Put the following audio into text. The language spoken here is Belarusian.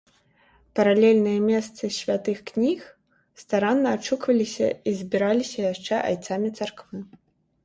Паралельныя месцы святых кніг старанна адшукваліся і збіраліся яшчэ айцамі царквы.